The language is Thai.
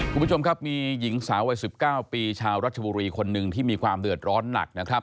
คุณผู้ชมครับมีหญิงสาววัย๑๙ปีชาวรัชบุรีคนหนึ่งที่มีความเดือดร้อนหนักนะครับ